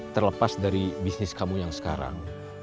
terlepas dari bisnis kamu yang sekarang